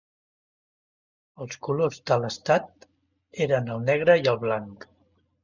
Els colors de l'estat eren el negre i el blanc.